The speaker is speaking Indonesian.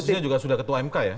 itu posisinya sudah ketua mk ya